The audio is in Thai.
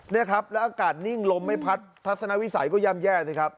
นี่ครับแล้วอากาศนิ่งลมไม่พัดทัศนวิสัยก็ย่ำแย่สิครับ